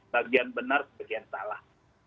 bagian benar bagian salah